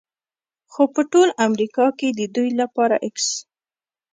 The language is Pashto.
خو په ټول امریکا کې د دوی لپاره x